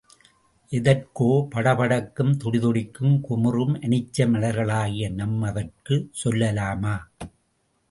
எதெதற்கோ படபடக்கும், துடிதுடிக்கும், குமுறும், அனிச்ச மலர்களாகிய நம்மவர்க்குச் சொல்லலாமா?